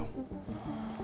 ああ